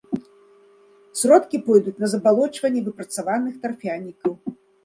Сродкі пойдуць на забалочванне выпрацаваных тарфянікаў.